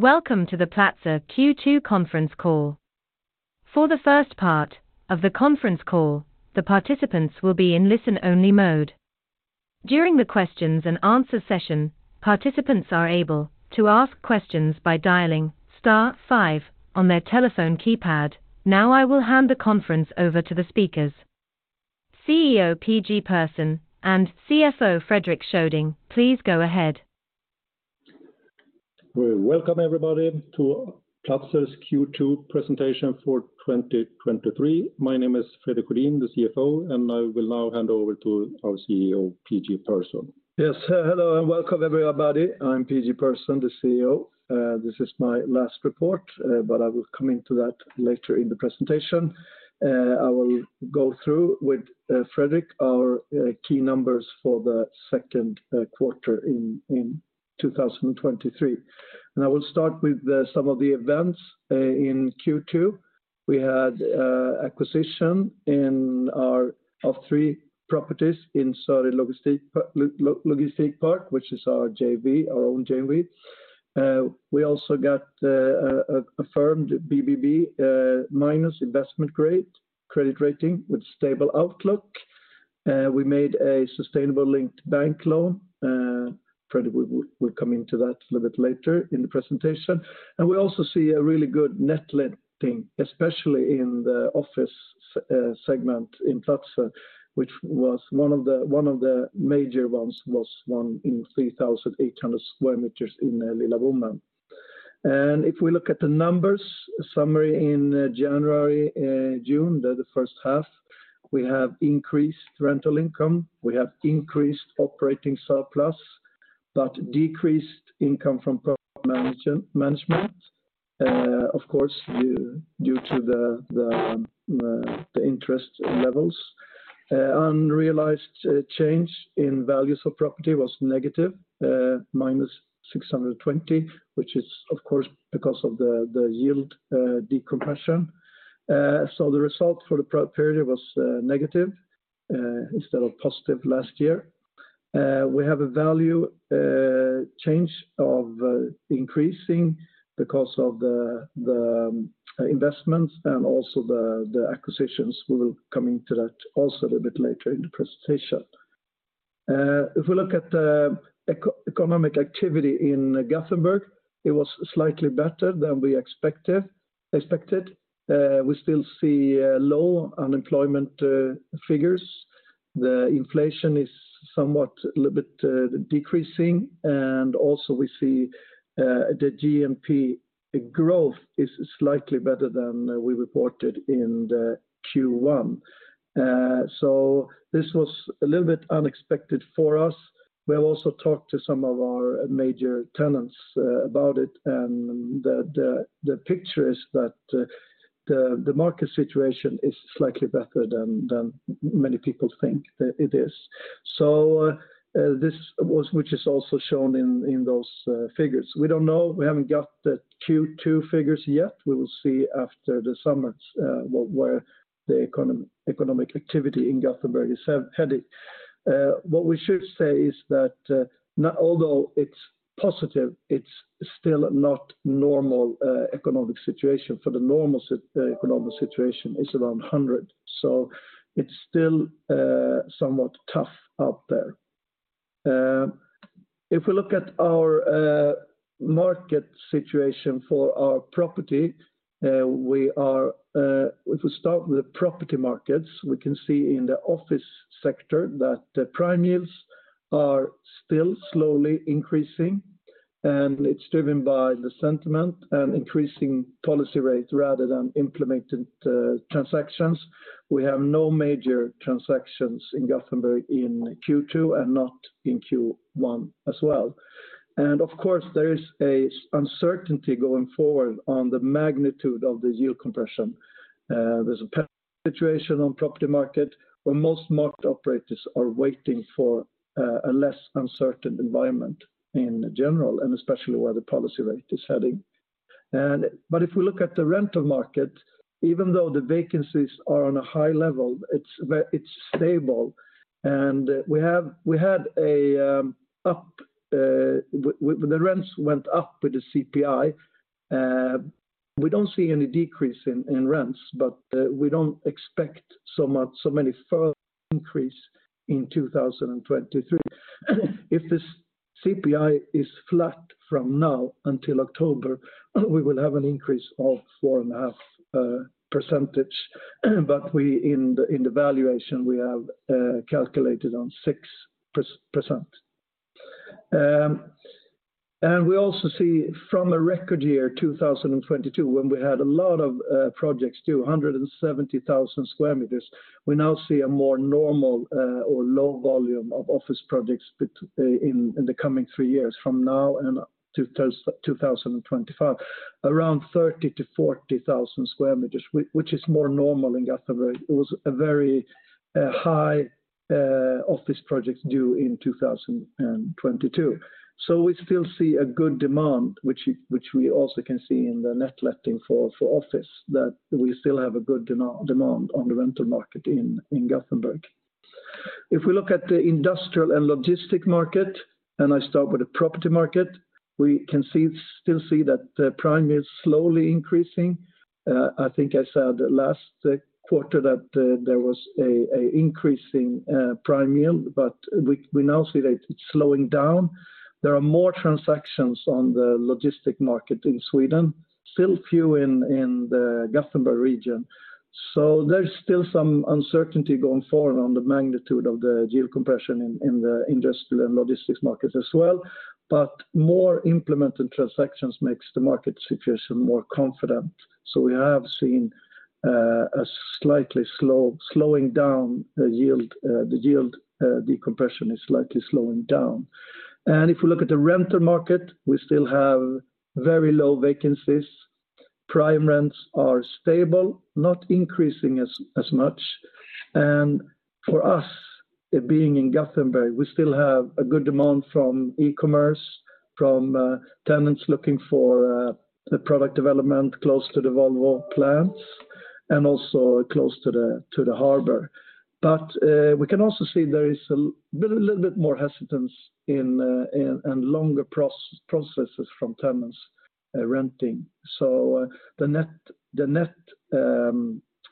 Welcome to the Platzer Q2 Conference Call. For the first part of the conference call, the participants will be in listen-only mode. During the Q&A session, participants are able to ask questions by dialing star five on their telephone keypad. Now, I will hand the Conference over to the speakers. CEO, P-G Persson, and CFO, Fredrik Sjudin, please go ahead. We welcome everybody to Platzer's Q2 presentation for 2023. My name is Fredrik Sjudin, the CFO. I will now hand over to our CEO, P-G Persson. Hello, and welcome, everybody. I'm P-G Persson, the CEO. This is my last report, I will come into that later in the presentation. I will go through with Fredrik, our key numbers for the 2Q in 2023. I will start with some of the events. In Q2, we had acquisition of three properties in Sörred Logistikpark, which is our JV, our own JV. We also got a affirmed BBB- investment-grade credit rating with stable outlook. We made a sustainable linked bank loan. Fredrik will come into that a little bit later in the presentation. We also see a really good net letting, especially in the office segment in Platzer, which was one of the major ones, was one in 3,800 square meters in Lilla Bommen. If we look at the numbers, summary in January, June, the first half, we have increased rental income. We have increased operating surplus, but decreased income from management, of course, due to the interest levels. Unrealized change in values of property was negative, -620, which is, of course, because of the yield decompression. The result for the pro period was negative instead of positive last year. We have a value change of increasing because of the investments and also the acquisitions. If we look at the economic activity in Gothenburg, it was slightly better than we expected. We still see low unemployment figures. The inflation is somewhat a little bit decreasing, and also we see the GMP growth is slightly better than we reported in the Q1. This was a little bit unexpected for us. We have also talked to some of our major tenants about it, and the picture is that the market situation is slightly better than many people think it is. This was, which is also shown in those figures. We don't know. We haven't got the Q2 figures yet. We will see after the summers, where the economic activity in Gothenburg is headed. What we should say is that, Although it's positive, it's still not normal economic situation, for the normal economic situation is around 100. It's still somewhat tough out there. If we look at our market situation for our property, we are. If we start with the property markets, we can see in the office sector that the prime yields are still slowly increasing, and it's driven by the sentiment and increasing policy rates rather than implemented transactions. We have no major transactions in Gothenburg in Q2 and not in Q1 as well. Of course, there is uncertainty going forward on the magnitude of the yield compression. There's a situation on property market where most market operators are waiting for a less uncertain environment in general, and especially where the policy rate is heading. If we look at the rental market, even though the vacancies are on a high level, it's stable, and we had the rents went up with the CPI. We don't see any decrease in rents, but we don't expect so much, so many further increase in 2023. If this CPI is flat from now until October, we will have an increase of 4.5%, but we, in the, in the valuation, we have calculated on 6%. We also see from a record year, 2022, when we had a lot of projects, 270,000 sq m, we now see a more normal or low volume of office projects in the coming three years from now and to 2025, around 30,000-40,000 sq m, which is more normal in Gothenburg. It was a very high office project due in 2022. We still see a good demand, which we also can see in the net letting for office, that we still have a good demand on the rental market in Gothenburg. If we look at the industrial and logistic market, and I start with the property market, we can still see that the prime is slowly increasing. I think I said last quarter that there was a increasing prime yield. We now see that it's slowing down. There are more transactions on the logistics market in Sweden, still few in the Gothenburg region. There's still some uncertainty going forward on the magnitude of the deal compression in the industrial and logistics markets as well. More implemented transactions makes the market situation more confident. We have seen a slightly slowing down the yield, the yield decompression is slightly slowing down. If we look at the renter market, we still have very low vacancies. Prime rents are stable, not increasing as much. For us, being in Gothenburg, we still have a good demand from e-commerce, from tenants looking for a product development close to the Volvo plants, and also close to the harbor. We can also see there is a little bit more hesitance in and longer processes from tenants renting. The net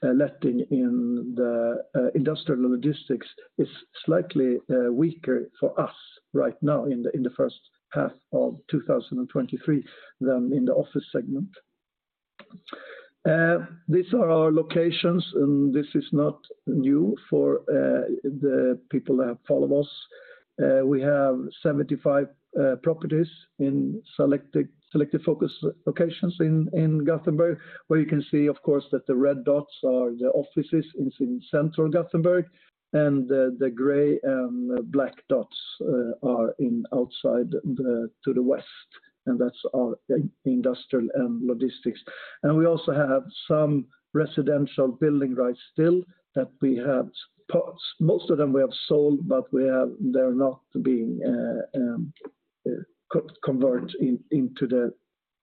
letting in the industrial logistics is slightly weaker for us right now in the first half of 2023 than in the office segment. These are our locations, and this is not new for the people that follow us. We have 75 properties in selected focus locations in Gothenburg, where you can see, of course, that the red dots are the offices in central Gothenburg, and the gray and black dots are in outside the, to the west, and that's our industrial and logistics. We also have some residential building rights still that we had parts. Most of them we have sold, but they're not being converted.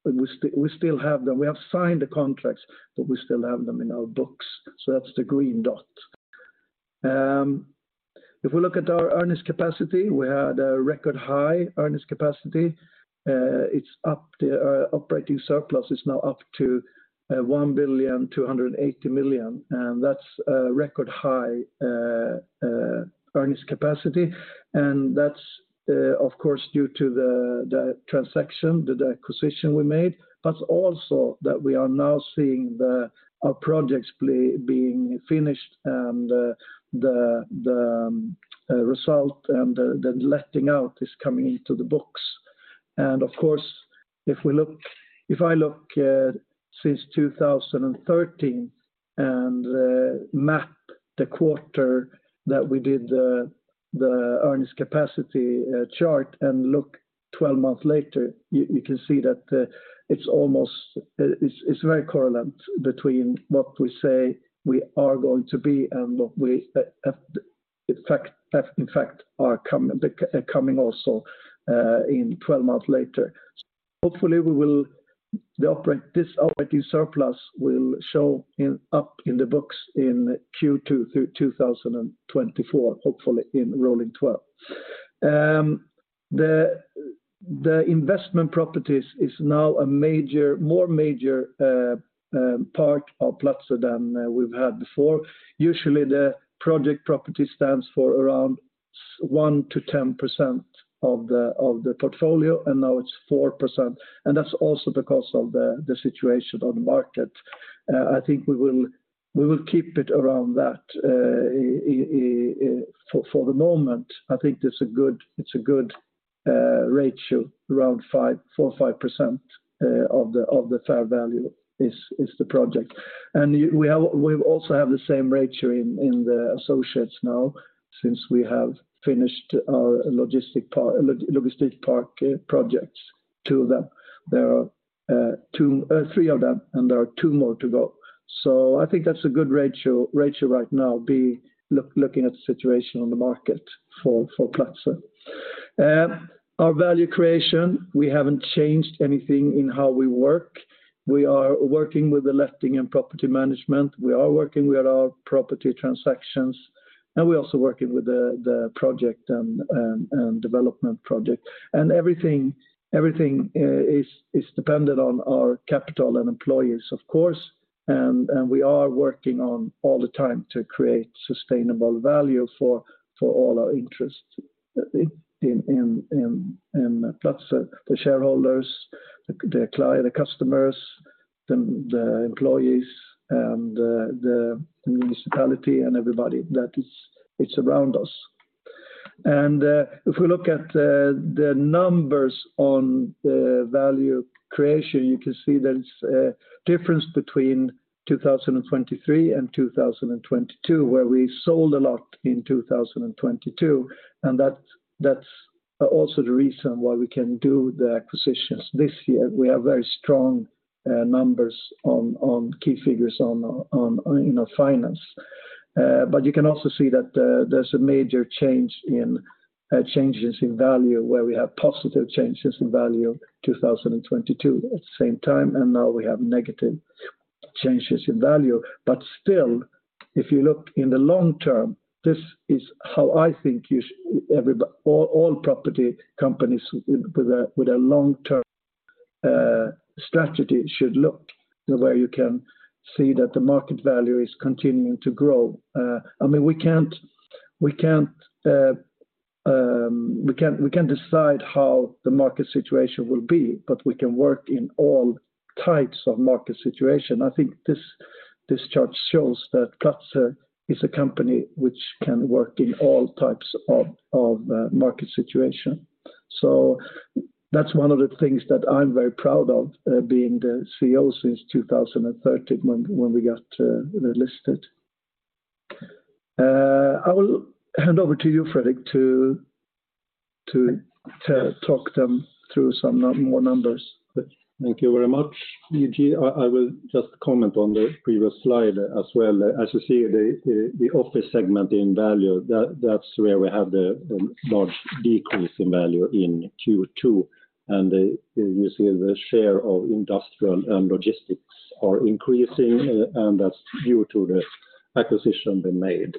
We still have them. We have signed the contracts, but we still have them in our books, so that's the green dot. If we look at our earnings capacity, we had a record high earnings capacity. It's up to operating surplus is now up to 1.28 billion. That's a record high earnings capacity. That's of course, due to the transaction, the acquisition we made, but also that we are now seeing the, our projects being finished and the result and the letting out is coming into the books. Of course, if I look since 2013, and map the quarter that we did the earnings capacity chart and look 12 months later, you can see that it's almost, it's very correlated between what we say we are going to be and what we have in fact are coming, the coming also in 12 months later. Hopefully, this operating surplus will show up in the books in Q2 through 2024, hopefully in rolling twelve. The investment properties is now a major, more major part of Platzer than we've had before. Usually, the project property stands for around 1-10% of the portfolio, and now it's 4%, and that's also because of the situation on the market. I think we will keep it around that for the moment. I think it's a good ratio, around 5%, 4% or 5% of the fair value is the project. We also have the same ratio in the associates now, since we have finished our logistic park projects, two of them. There are two, three of them, and there are two more to go. I think that's a good ratio right now, looking at the situation on the market for Platzer. Our value creation, we haven't changed anything in how we work. We are working with the letting and property management. We are working with our property transactions, and we're also working with the project and development project. Everything is dependent on our capital and employees, of course, and we are working on all the time to create sustainable value for all our interests in Platzer, the shareholders, the customers, the employees, and the municipality and everybody that is around us. If we look at the numbers on the value creation, you can see there's a difference between 2023 and 2022, where we sold a lot in 2022, and that's also the reason why we can do the acquisitions. This year, we have very strong numbers on key figures on, you know, finance. You can also see that, there's a major change in changes in value, where we have positive changes in value 2022 at the same time, and now we have negative changes in value. Still, if you look in the long term, this is how I think you all property companies with a long-term strategy should look, where you can see that the market value is continuing to grow. I mean, we can't decide how the market situation will be. We can work in all types of market situation. I think this chart shows that Platzer is a company which can work in all types of market situation. That's one of the things that I'm very proud of, being the CEO since 2013, when we got listed. I will hand over to you, Fredrik, to talk them through some more numbers. Thank you very much, PG. I will just comment on the previous slide as well. As you see, the office segment in value, that's where we have the large decrease in value in Q2. You see the share of industrial and logistics are increasing, and that's due to the acquisition we made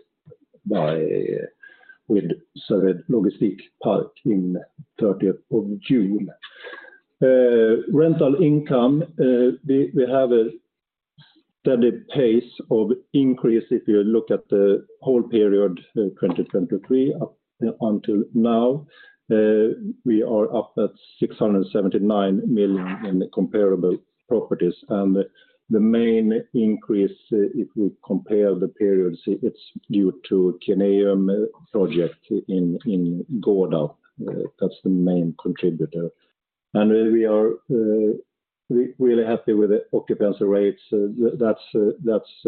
with Sörred Logistikpark in 30th of June. Rental income, we have a steady pace of increase if you look at the whole period, 2023 up until now. We are up at 679 million in the comparable properties. The main increase, if we compare the periods, it's due to Kineum project in Gårda. That's the main contributor. We are really happy with the occupancy rates. That's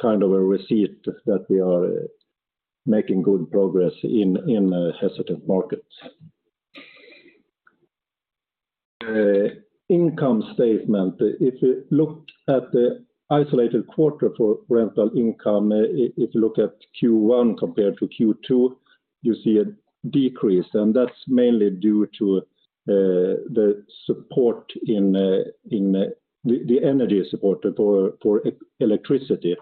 kind of a receipt that we are making good progress in hesitant markets. Income statement. If you look at the isolated quarter for rental income, if you look at Q1 compared to Q2, you see a decrease, and that's mainly due to the support in the energy support for electricity.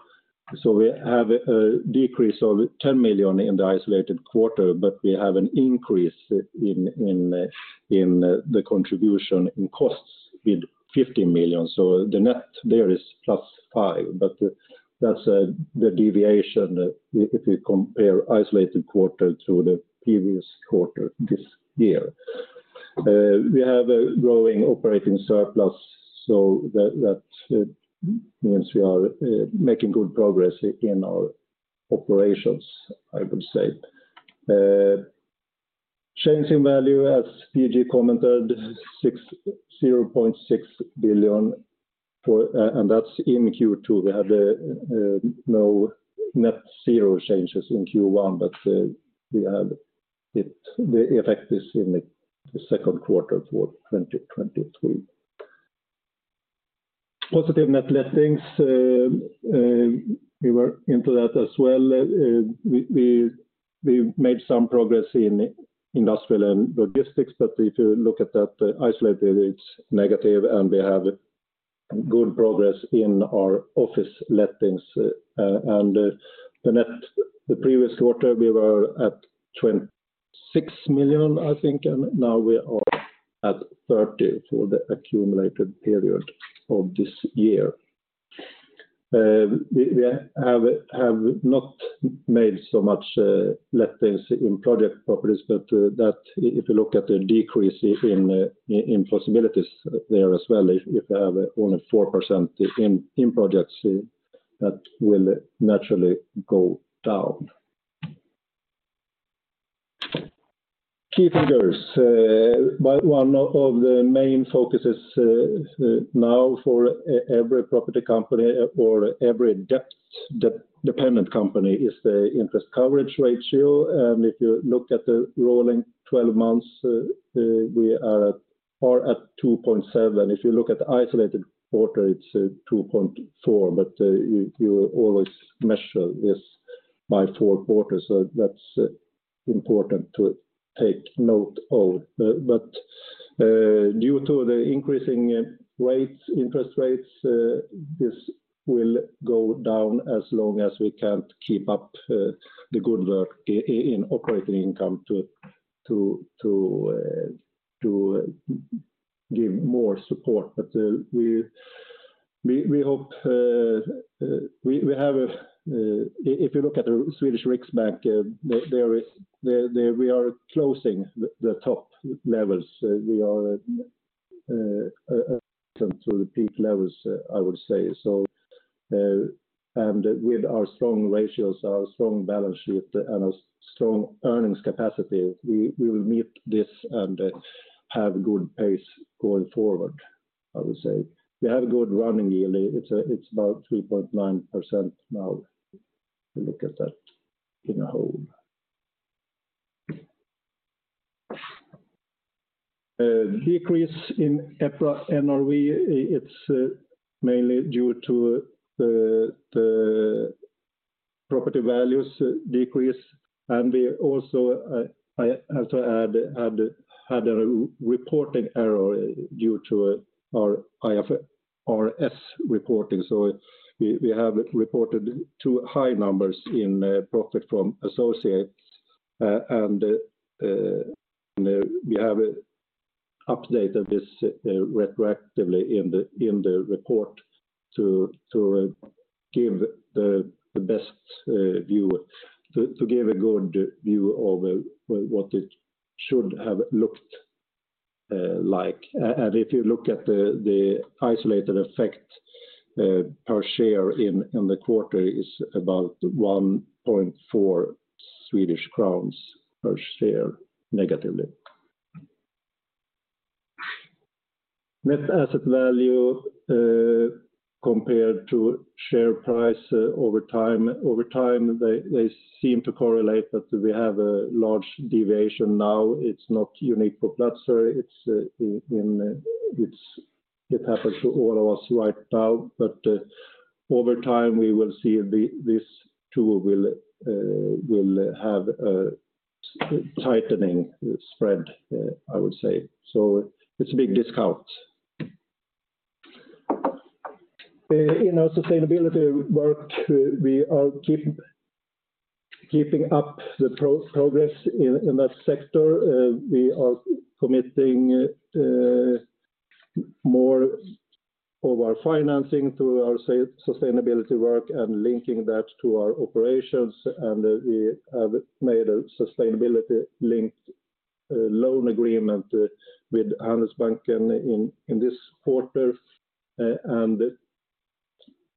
We have a decrease of 10 million in the isolated quarter, but we have an increase in the contribution in costs with 50 million. The net there is +5, but that's the deviation, if you compare isolated quarter to the previous quarter this year. We have a growing operating surplus, that means we are making good progress in our operations, I would say. Change in value, as PG commented, 0.6 billion for... That's in Q2. We had no net zero changes in Q1, but we had it, the effect is in the second quarter for 2023. Positive net lettings. We were into that as well. We made some progress in industrial and logistics, but if you look at that isolated, it's negative, and we have good progress in our office lettings. The net, previous quarter, we were at 26 million, I think, and now we are at 30 for the accumulated period of this year. We have not made so much lettings in project properties, that if you look at the decrease in possibilities there as well, if you have only 4% in projects, that will naturally go down. Key figures. One of the main focuses now for every property company or every debt dependent company is the interest coverage ratio. If you look at the rolling 12 months, we are at 2.7. If you look at the isolated quarter, it's 2.4, you always measure this by four quarters, so that's important to take note of. Due to the increasing rates, interest rates, this will go down as long as we can't keep up the good work in operating income to give more support. We hope. We have a, if you look at the Sveriges Riksbank, we are closing the top levels. We are to the peak levels, I would say. With our strong ratios, our strong balance sheet, and our strong earnings capacity, we will meet this and have good pace going forward, I would say. We have a good running yield. It's about 3.9% now, if you look at that in a whole. Decrease in EPRA NRV, it's mainly due to the property values decrease. We also had a reporting error due to our IFRS reporting. We have reported two high numbers in profit from associates. We have updated this retroactively in the report to give the best view, to give a good view of what it should have looked like. If you look at the isolated effect per share in the quarter is about 1.4 Swedish crowns per share negatively. Net asset value compared to share price over time. Over time, they seem to correlate that we have a large deviation now. It's not unique for Platzer, it happens to all of us right now, but over time, we will see this tool will have a tightening spread, I would say, so it's a big discount. In our sustainability work, we are keeping up the progress in that sector. We are committing more of our financing through our sustainability work and linking that to our operations, and we have made a sustainability-linked loan agreement with Handelsbanken in this quarter.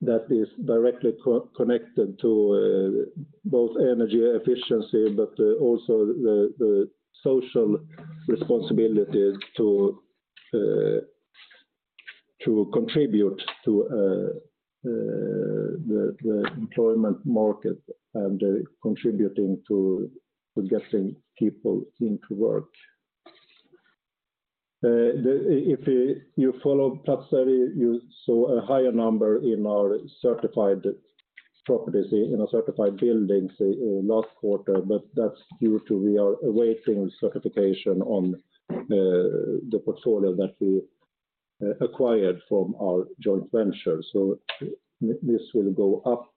That is directly connected to both energy efficiency, but also the social responsibility to contribute to the employment market and contributing to getting people into work. If you follow Platzer, you saw a higher number in our certified properties in our certified buildings last quarter, but that's due to we are awaiting certification on the portfolio that we acquired from our joint venture. This will go up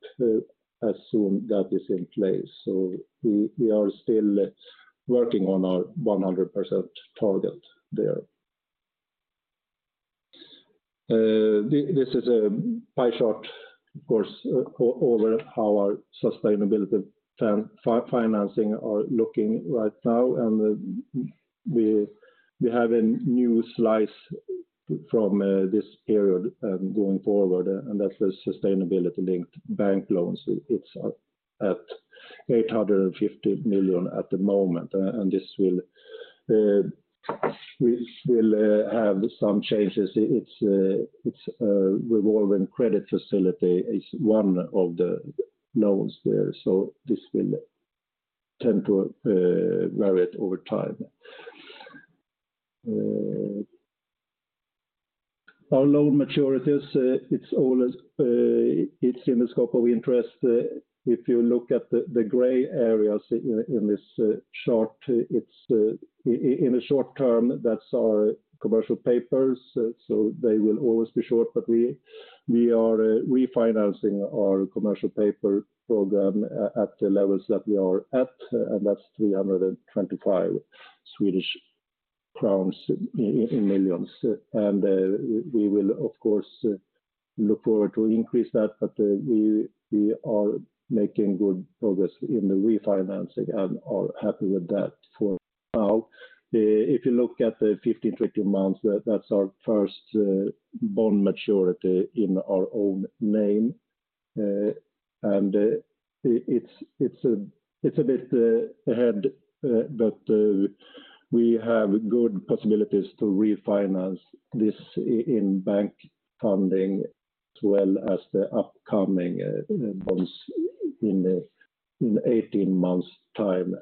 as soon that is in place. We are still working on our 100% target there. This is a pie chart, of course, over how our sustainability financing are looking right now, and we have a new slice from this period going forward, and that's the sustainability-linked bank loans. It's at 850 million at the moment, and this will have some changes. It's a revolving credit facility, is one of the loans there, so this will tend to vary it over time. Our loan maturities, it's always, it's in the scope of interest. If you look at the gray areas in this chart, in the short term, that's our commercial papers, so they will always be short, but we are refinancing our commercial paper program at the levels that we are at, and that's SEK 325 million. We will, of course, look forward to increase that, but we are making good progress in the refinancing and are happy with that for now. If you look at the 15, 20 months, that's our first bond maturity in our own name. It's a bit ahead, but we have good possibilities to refinance this in bank funding, as well as the upcoming bonds in the 18 months' time.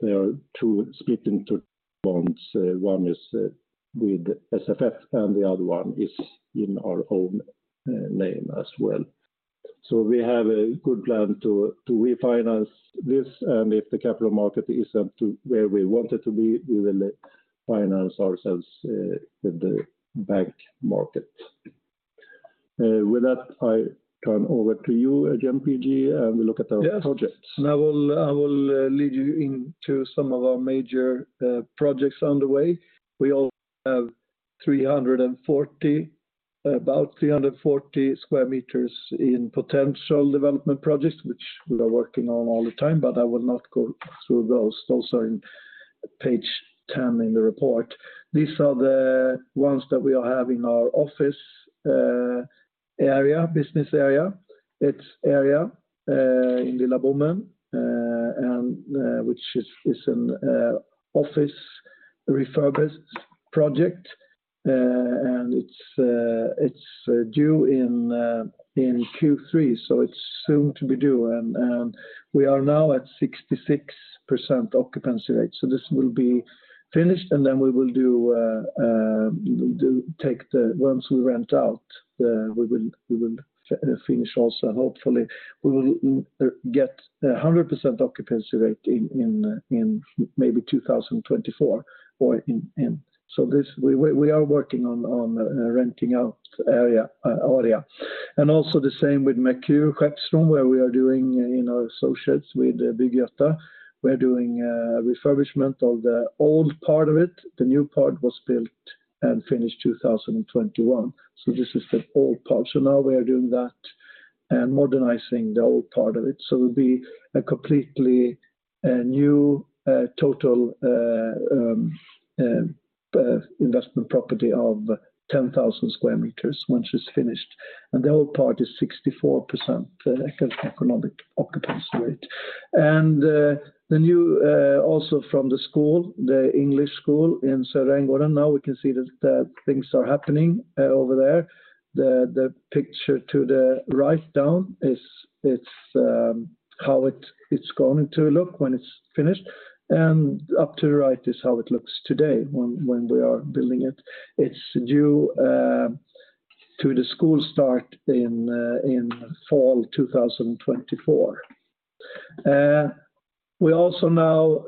There are 2 split into bonds. One is with SFF, and the other one is in our own name as well. We have a good plan to refinance this, and if the capital market isn't to where we want it to be, we will finance ourselves in the bank market. With that, I turn over to you, P-G, and we look at our projects. Yes, I will lead you into some of our major projects underway. We all have about 340 square meters in potential development projects, which we are working on all the time, but I will not go through those. Those are in page 10 in the report. These are the ones that we are having our office business area in Lilla Bommen, which is an office refurbished project. It's due in Q3, so it's soon to be due. We are now at 66% occupancy rate, so this will be finished, then we will take the ones we rent out. We will finish also. Hopefully, we will get 100% occupancy rate in maybe 2024. This, we are working on renting out area. Also the same with Merkur, Skeppsbron, where we are doing, you know, associates with Bygg-Göta. We're doing refurbishment of the old part of it. The new part was built and finished 2021, this is the old part. Now we are doing that and modernizing the old part of it. It'll be a completely new total investment property of 10,000 square meters once it's finished. The old part is 64%, economic occupancy rate. The new, also from the school, the English school in Södra Änggården, now we can see that things are happening over there. The picture to the right down is, how it's going to look when it's finished, and up to the right is how it looks today when we are building it. It's due to the school start in fall 2024. We also now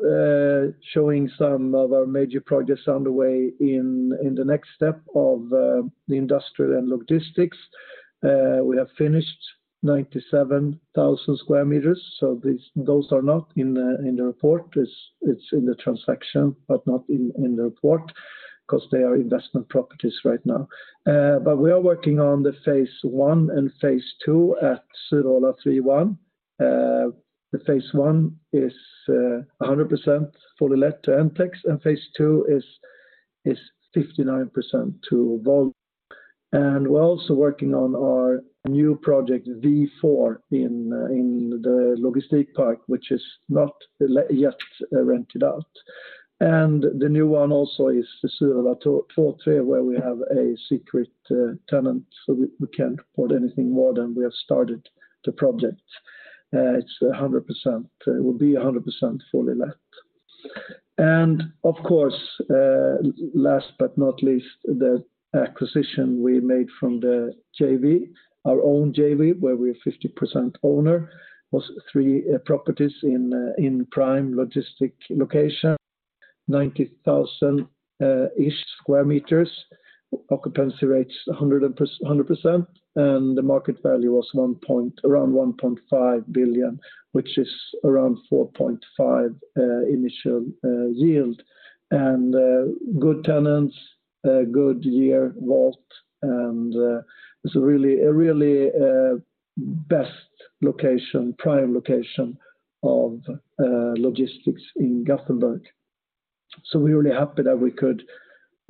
showing some of our major projects underway in the next step of the industrial and logistics. We have finished 97,000 square meters, so those are not in the report. It's in the transaction, but not in the report, because they are investment properties right now. We are working on the phase one and phase two at Södra 31. The phase one is 100% fully let to Amplex, and phase two is 59% to Vault. We're also working on our new project, V4, in the logistic park, which is not yet rented out. The new one also is Södra 243, where we have a secret tenant, so we can't report anything more than we have started the project. It's 100%. It will be 100% fully let. Of course, last but not least, the acquisition we made from the JV, our own JV, where we're 50% owner, was 3 properties in prime logistic location, 90,000 each square meters, occupancy rate 100%, and the market value was around 1.5 billion, which is around 4.5% initial yield. Good tenants, good year Vault, and it's a really best location, prime location of logistics in Gothenburg. We're really happy that we could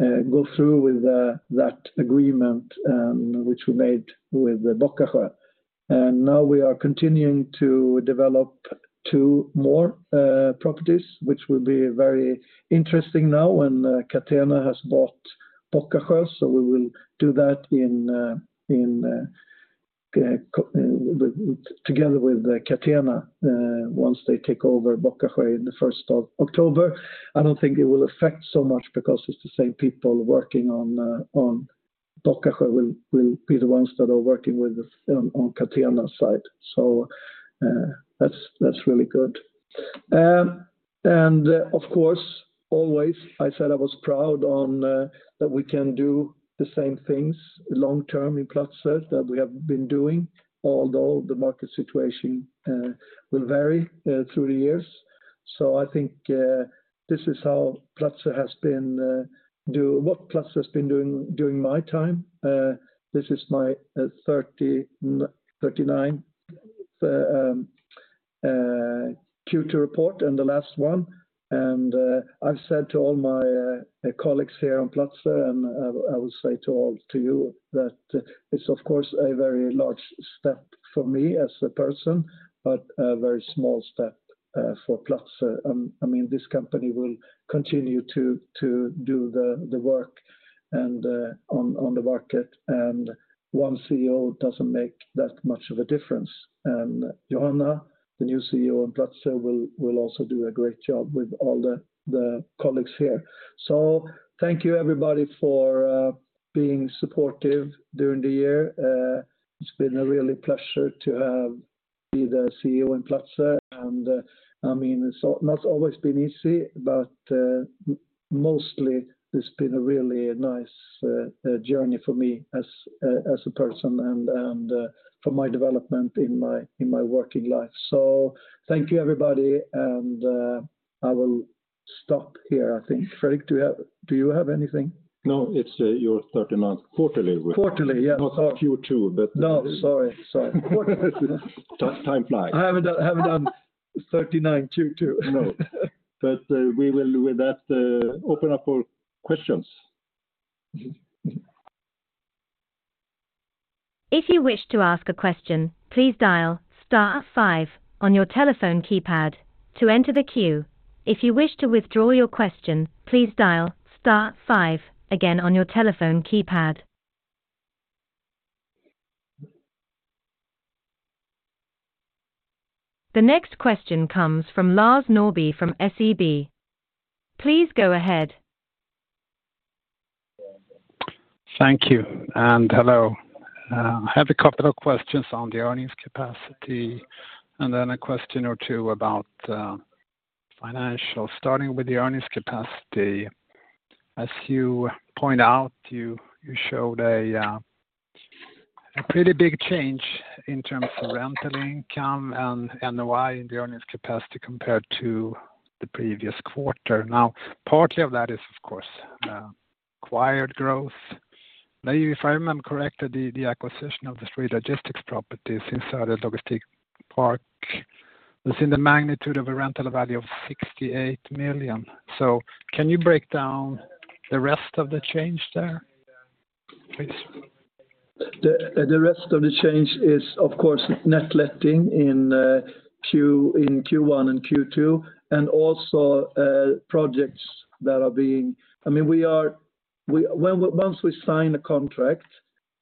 go through with that agreement, which we made with the Bockasjö. Now we are continuing to develop 2 more properties, which will be very interesting now when Catena has bought Bockasjö. We will do that in, together with Catena, once they take over Bockasjö in the 1st of October. I don't think it will affect so much because it's the same people working on Bockasjö will be the ones that are working with the On Catena side. That's really good. Of course, always, I said I was proud on that we can do the same things long-term in Platzer that we have been doing, although the market situation will vary through the years. I think this is how Platzer has been what Platzer has been doing during my time. This is my 39 Q2 report, and the last one. I've said to all my colleagues here on Platzer, and I will say to you that it's, of course, a very large step for me as a person, but a very small step for Platzer. I mean, this company will continue to do the work and on the market, and one CEO doesn't make that much of a difference. Johanna, the new CEO of Platzer, will also do a great job with all the colleagues here. Thank you, everybody, for being supportive during the year. It's been a really pleasure to have be the CEO in Platzer, and, I mean, it's not always been easy, but mostly it's been a really nice journey for me as a person and for my development in my working life. Thank you, everybody, and I will stop here, I think. Fredrik, do you have anything? No, it's, your thirty-ninth quarterly. Quarterly, yeah. Not Q2. No, sorry. Sorry. Time flies. I haven't done 39 Q2. No. We will with that open up for questions. If you wish to ask a question, please dial star five on your telephone keypad to enter the queue. If you wish to withdraw your question, please dial star five again on your telephone keypad. The next question comes from Lars Norrby from SEB. Please go ahead. Thank you. Hello. I have a couple of questions on the earnings capacity, and then a question or two about financial. Starting with the earnings capacity. As you point out, you showed a pretty big change in terms of rental income and NOI in the earnings capacity compared to the previous quarter. Partly of that is, of course, acquired growth. If I remember correctly, the acquisition of the three logistics properties inside the logistics park was in the magnitude of a rental value of 68 million. Can you break down the rest of the change there? Please. The rest of the change is, of course, net letting in Q1 and Q2, and also, projects that are being... I mean, once we sign a contract,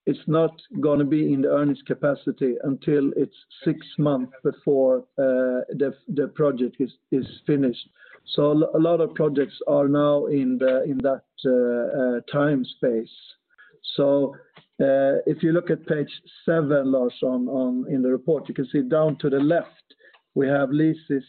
it's not gonna be in the earnings capacity until it's 6 months before the project is finished. A lot of projects are now in that time space. If you look at page seven, Lars, in the report, you can see down to the left, we have leases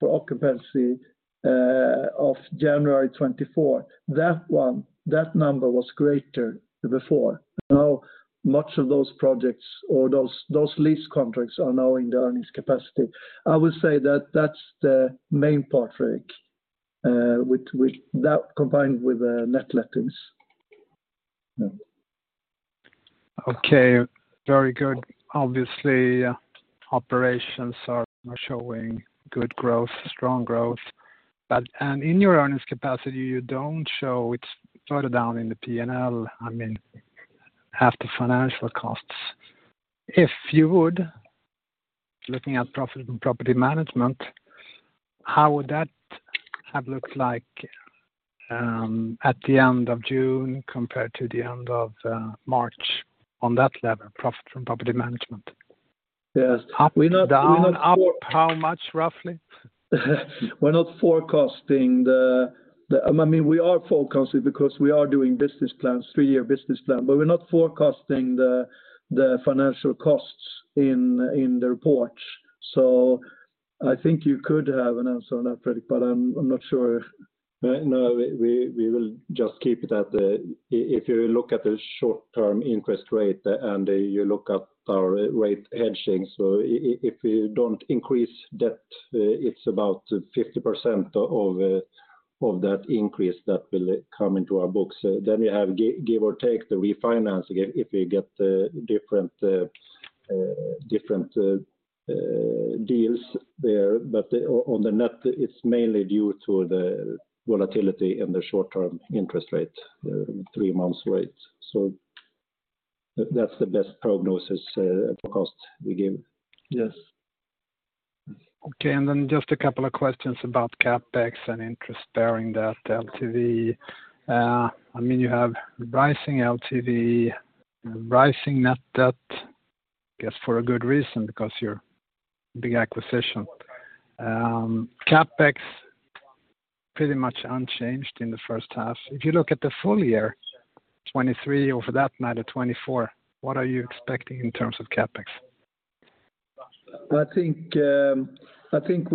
for occupancy of January 2024. That one, that number was greater than before. Now, much of those projects or those lease contracts are now in the earnings capacity. I would say that that's the main part, Fredrik, which combined with net lettings. Okay, very good. Obviously, operations are showing good growth, strong growth. In your earnings capacity, you don't show it's further down in the P&L, I mean, after financial costs. If you would, looking at profit and property management, how would that have looked like, at the end of June compared to the end of, March on that level, profit from property management? Yes. Up, down, up, how much, roughly? We're not forecasting the. I mean, we are forecasting because we are doing business plans, three-year business plan. We're not forecasting the financial costs in the report. I think you could have an answer on that, Fredrik. I'm not sure. No, we will just keep it at the, if you look at the short-term interest rate, and you look at our rate hedging. If we don't increase debt, it's about 50% of that increase that will come into our books. We have give or take the refinance, again, if we get different deals there. On the net, it's mainly due to the volatility in the short-term interest rate, the 3 months rate. That's the best prognosis for cost we give. Yes. Okay. Then just a couple of questions about CapEx and interest bearing debt, LTV. I mean, you have rising LTV, rising net debt, I guess, for a good reason, because your big acquisition. CapEx, pretty much unchanged in the first half. If you look at the full year, 2023, or for that matter, 2024, what are you expecting in terms of CapEx? I think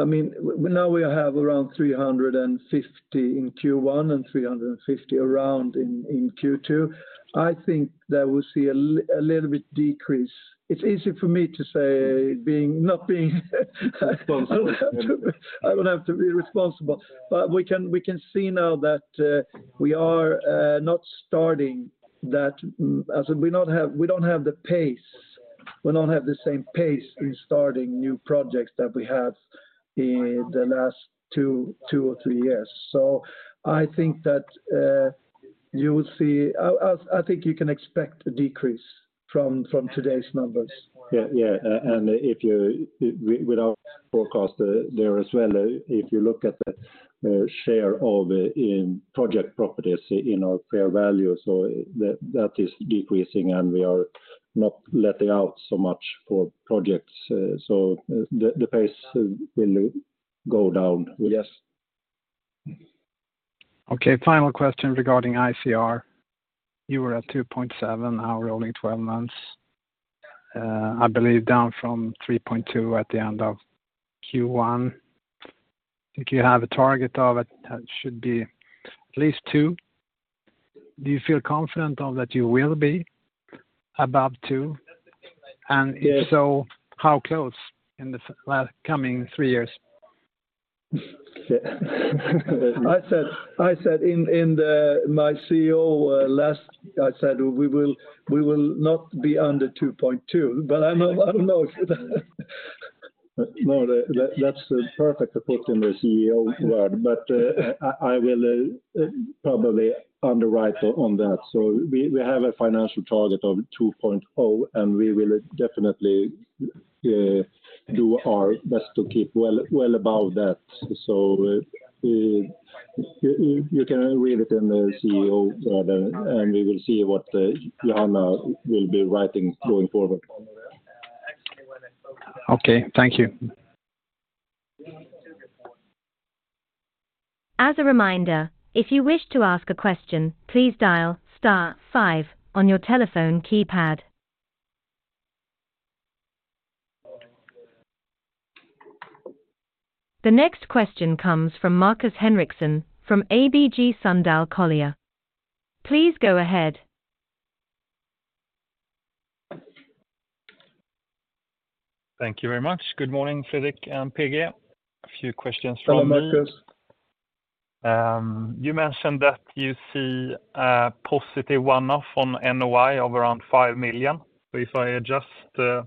I mean, now we have around 350 in Q1 and 350 around in Q2. I think that we'll see a little bit decrease. It's easy for me to say being, not being, Responsible. I don't have to be responsible. We can see now that we are not starting that as we don't have the pace. We don't have the same pace in starting new projects that we had in the last two or three years. I think that you will see. I think you can expect a decrease from today's numbers. Yeah, yeah. If you, we, without forecast there as well, if you look at the share of the, in project properties in our fair value, that is decreasing. We are not letting out so much for projects. The pace will go down. Yes. Okay, final question regarding ICR. You were at 2.7, now rolling 12 months, I believe down from 3.2 at the end of Q1. If you have a target of it, that should be at least 2. Do you feel confident of that you will be above two? Yes. If so, how close in the coming 3 years? I said in the, my CEO, last, I said, "We will not be under 2.2," but I know, I don't know if, No, that's perfect to put in the CEO word, but I will probably underwrite on that. We have a financial target of 2.0, and we will definitely do our best to keep well above that. You can read it in the CEO letter, and we will see what Johanna will be writing going forward. Okay, thank you. As a reminder, if you wish to ask a question, please dial star five on your telephone keypad. The next question comes from Markus Henriksson from ABG Sundal Collier. Please go ahead. Thank you very much. Good morning, Fredrik and PG. A few questions from me. Hello, Marcus. You mentioned that you see a positive one-off on NOI of around 5 million. If I adjust the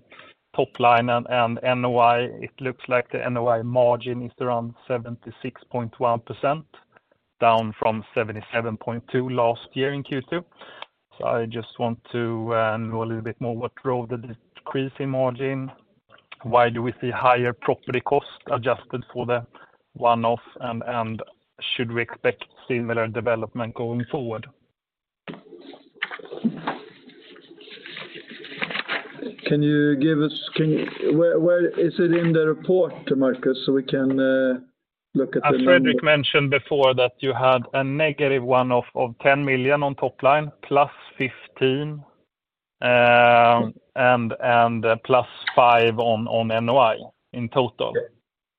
top line and NOI, it looks like the NOI margin is around 76.1%, down from 77.2% last year in Q2. I just want to know a little bit more what drove the decrease in margin. Why do we see higher property costs adjusted for the one-off, and should we expect similar development going forward? Where is it in the report, Markus, so we can look at? As Fredrik mentioned before, that you had a negative one-off of 10 million on top line, plus 15, and plus 5 on NOI in total.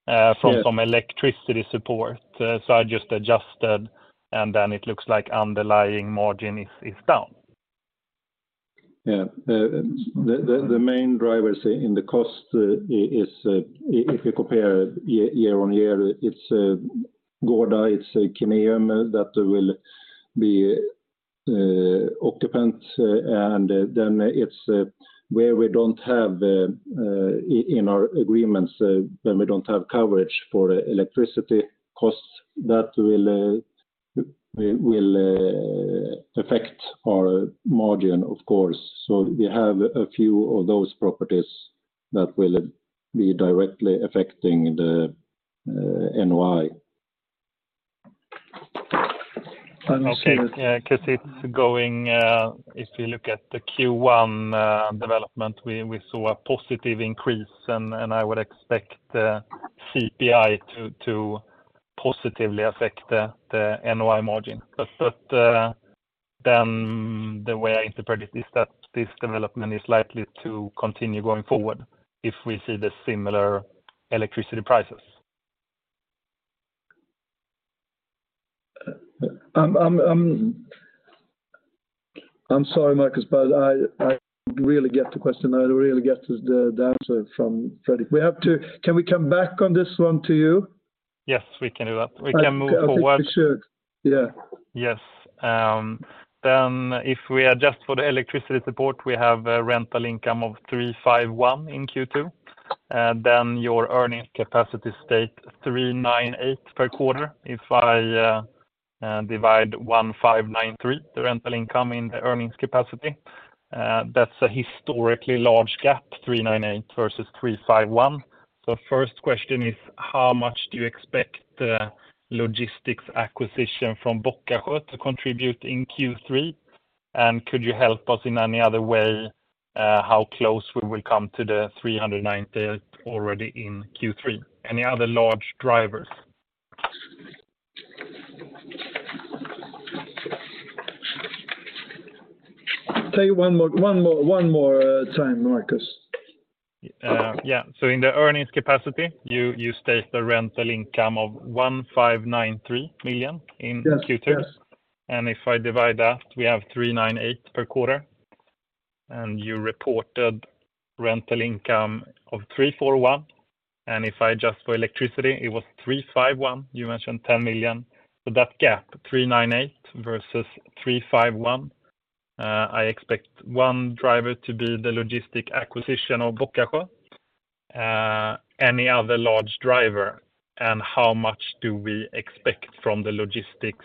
Yes From some electricity support. I just adjusted, it looks like underlying margin is down. The main drivers in the cost is if you compare year-over-year, it's Gårda, it's Kineum, that will be occupant. Then it's where we don't have in our agreements, when we don't have coverage for electricity costs, that will affect our margin, of course. We have a few of those properties that will be directly affecting the NOI. Okay. Yeah, because it's going, if you look at the Q1 development, we saw a positive increase, and I would expect the CPI to positively affect the NOI margin. The way I interpret it is that this development is likely to continue going forward, if we see the similar electricity prices. I'm sorry, Markus, but I didn't really get the question. I didn't really get the answer from Fredrik. Can we come back on this one to you? Yes, we can do that. We can move forward. I think we should. Yeah. Yes. If we adjust for the electricity support, we have a rental income of 351 in Q2. Your earnings capacity state 398 per quarter. If I divide 1,593, the rental income in the earnings capacity, that's a historically large gap, 398 versus 351. First question is: How much do you expect the logistics acquisition from Bockasjö to contribute in Q3? Could you help us in any other way, how close we will come to the 398 already in Q3? Any other large drivers? Say one more time, Markus. Yeah. In the earnings capacity, you state a rental income of 1,593 million in Q2. Yes, yes. If I divide that, we have 398 per quarter, and you reported rental income of 341, and if I adjust for electricity, it was 351. You mentioned 10 million. That gap, 398 versus 351, I expect one driver to be the logistic acquisition of Bockasjö. Any other large driver, how much do we expect from the logistics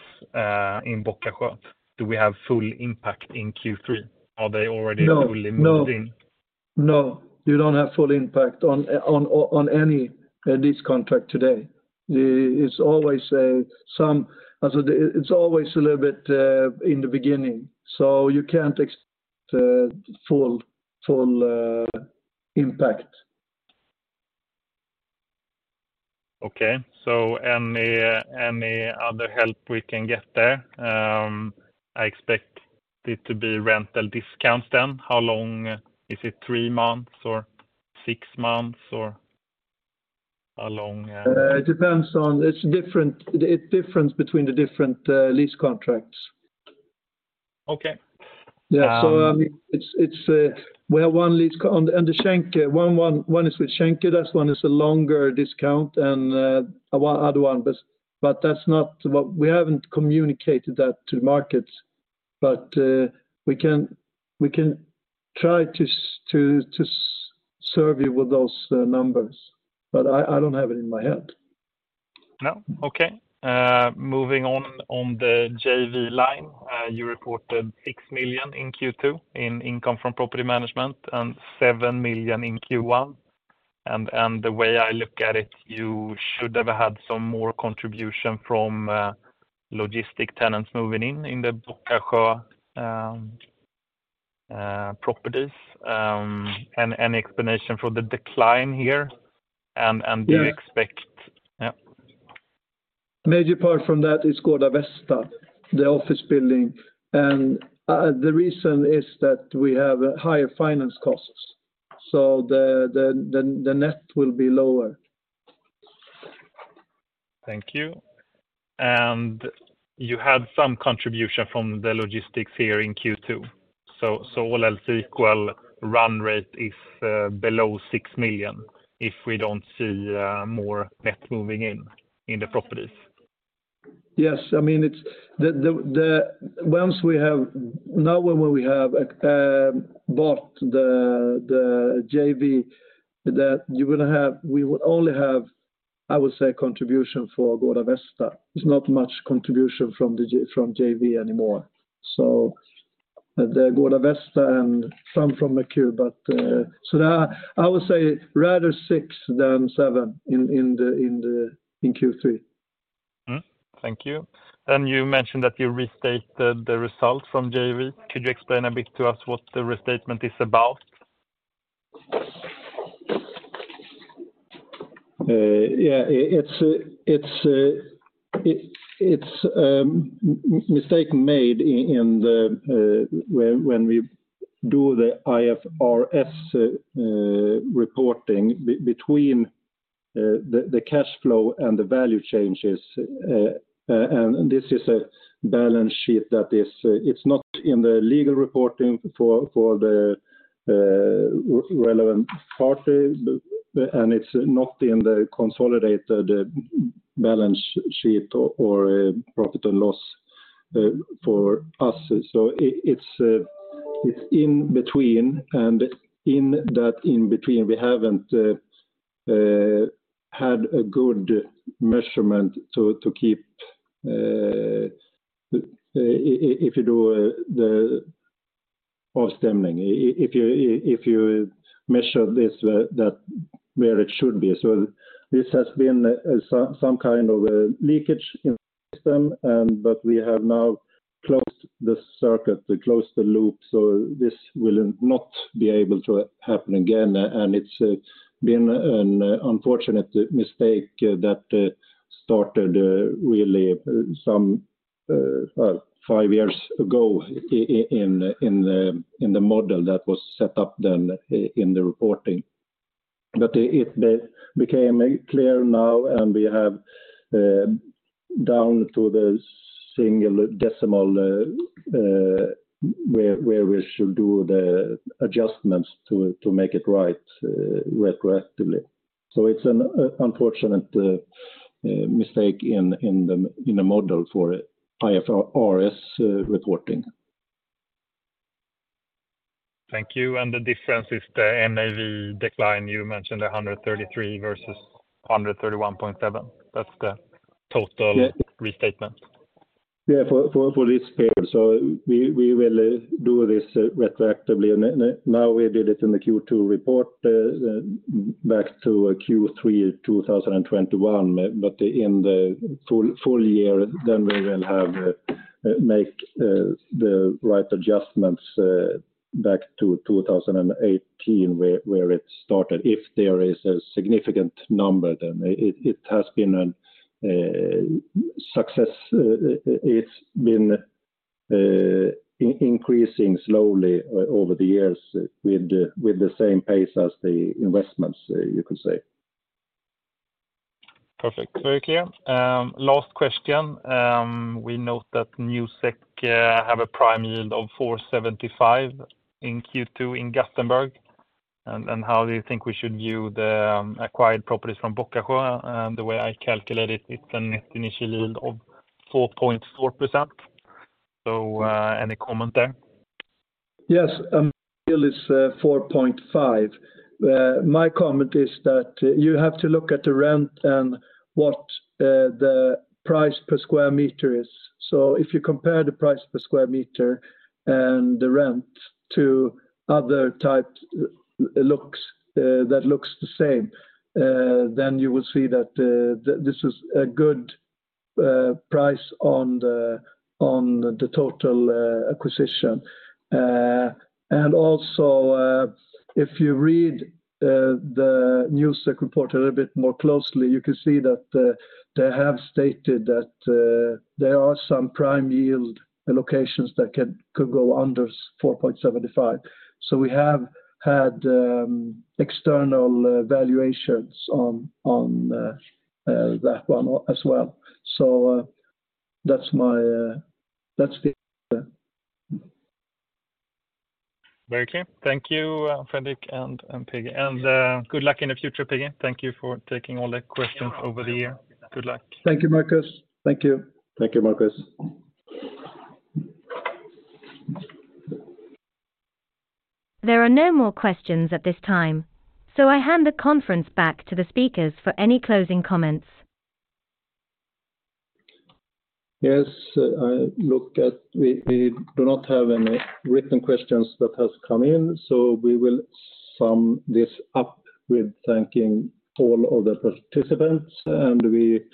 in Bockasjö? Do we have full impact in Q3? Are they already fully moved in? No, no. No, you don't have full impact on any lease contract today. It's always a little bit in the beginning, so you can't expect full impact. Okay. Any, any other help we can get there? I expect it to be rental discounts then. How long, is it three months or six months, or how long? It's different, it difference between the different lease contracts. Okay. Yeah. It's, it's, we have one lease. One is with Schenker. That one is a longer discount than other one. We haven't communicated that to the market, we can try to serve you with those numbers, but I don't have it in my head. No? Okay. Moving on the JV line, you reported 6 million in Q2 in income from property management and 7 million in Q1. The way I look at it, you should have had some more contribution from logistic tenants moving in the Bockasjö properties. Any explanation for the decline here? Do you expect Yeah. Major part from that is Gårda Vesta, the office building. The reason is that we have higher finance costs. The net will be lower. Thank you. You had some contribution from the logistics here in Q2. All else equal, run rate is below 6 million if we don't see more net moving in the properties. Yes. I mean, Now, when we have bought the JV, we will only have, I would say, a contribution for Gårda Vesta. It's not much contribution from JV anymore. The Gårda Vesta and some from the Q, but, so that I would say rather six than seven in the Q3. Thank you. You mentioned that you restated the result from JV. Could you explain a bit to us what the restatement is about? Yeah, it's a mistake made in the when we do the IFRS reporting between the cash flow and the value changes. This is a balance sheet that is, it's not in the legal reporting for the relevant parties, and it's not in the consolidated balance sheet or a profit and loss for us. It's in between, and in that in between, we haven't had a good measurement to keep if you do the. Of stemming. If you, if you measure this, that where it should be. This has been some kind of a leakage in the system, but we have now closed the circuit, closed the loop, so this will not be able to happen again. It's been an unfortunate mistake that started really some, well, five years ago in the model that was set up then in the reporting. It became clear now, and we have down to the singular decimal where we should do the adjustments to make it right retroactively. It's an unfortunate mistake in the model for IFRS reporting. Thank you. The difference is the NAV decline. You mentioned 133 versus 131.7. That's the total. Yeah restatement. Yeah, for this period. We will do this retroactively. Now, we did it in the Q2 report, back to Q3 of 2021. In the full year, we will make the right adjustments back to 2018, where it started. If there is a significant number, it has been a success. It's been increasing slowly over the years with the same pace as the investments, you could say. Perfect. Very clear. Last question. We note that Newsec have a prime yield of 4.75% in Q2 in Gothenburg. How do you think we should view the acquired properties from Bockasjö? The way I calculate it's a net initial yield of 4.4%. Any comment there? Yes, yield is 4.5. My comment is that you have to look at the rent and what the price per square meter is. If you compare the price per square meter and the rent to other types, that looks the same, then you will see that this is a good price on the total acquisition. And also, if you read the Newsec report a little bit more closely, you can see that they have stated that there are some prime yield locations that could go under 4.75. We have had external valuations on that one as well. That's my, that's the. Very clear. Thank you, Fredrik and PG. Good luck in the future, PG. Thank you for taking all the questions over the year. Good luck. Thank you, Marcus. Thank you. Thank you, Marcus. There are no more questions at this time, so I hand the Conference back to the speakers for any closing comments. We do not have any written questions that has come in. We will sum this up with thanking all of the participants, and we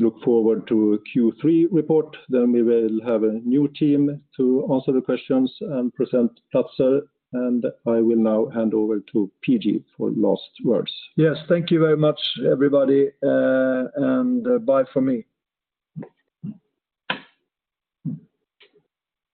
look forward to Q3 report. We will have a new team to answer the questions and present Platzer, and I will now hand over to PG for last words. Yes, thank you very much, everybody, and bye from me.